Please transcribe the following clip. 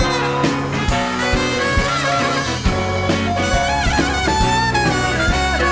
แล้วนำร้อยเท่าไหร่ทำตาเกียรติ